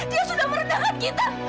dia sudah merendahkan kita